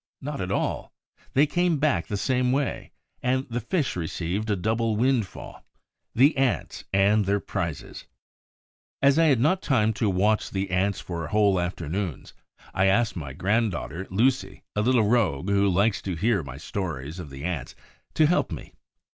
Not at all: they came back the same way, and the Fish received a double windfall, the Ants and their prizes. As I had not time to watch the Ants for whole afternoons, I asked my granddaughter Lucie, a little rogue who likes to hear my stories of the Ants, to help me.